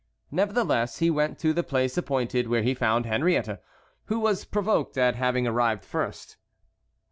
Nevertheless he went to the place appointed, where he found Henriette, who was provoked at having arrived first.